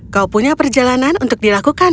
kau punya perjalanan untuk dilakukan